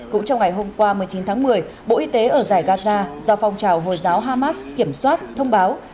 cũng trong ngày hôm qua một mươi chín tháng một mươi bộ y tế ở giải gaza do phong trào hồi giáo hamas kiểm soát thông báo